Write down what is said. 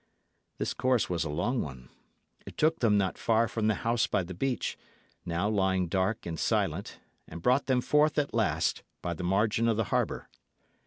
This course was a long one. It took them not far from the house by the beach, now lying dark and silent, and brought them forth at last by the margin of the harbour.